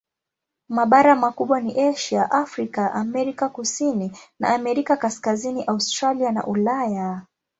Mabara makubwa ni Asia, Afrika, Amerika Kusini na Amerika Kaskazini, Australia na Ulaya.